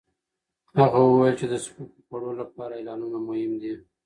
هغه وویل چې د سپکو خوړو لپاره اعلانونه مهم دي.